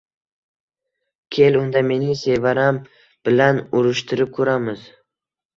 - Kel, unda mening Sevaram bilan urushtirib ko'ramiz..